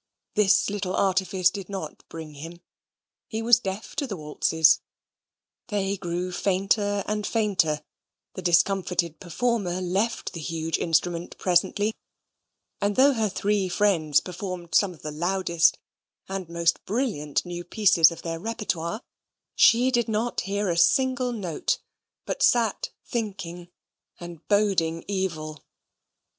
This little artifice did not bring him. He was deaf to the waltzes; they grew fainter and fainter; the discomfited performer left the huge instrument presently; and though her three friends performed some of the loudest and most brilliant new pieces of their repertoire, she did not hear a single note, but sate thinking, and boding evil.